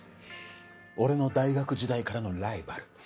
俺の大学時代からのライバル。